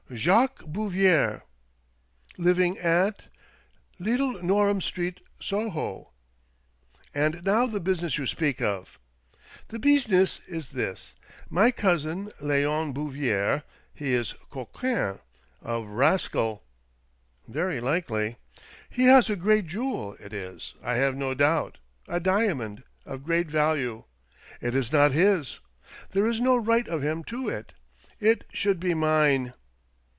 " Jacques Bouvier." "Living at ?" "Little Norham Street, Soho." "And now the business you speak of." "The beesness is this. My cousin, Leon Bouvier — he is coquin — a rrrascal !" "Very likely." " He has a great jewel — it is, I have no doubt, a diamond — of a great value. It is not his ! There is no right of him to it ! It should be mine.